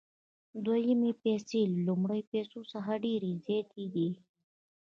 دویمې پیسې له لومړیو پیسو څخه ډېرې زیاتې دي